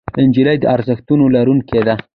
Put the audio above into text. نجلۍ د ارزښتونو لرونکې ده.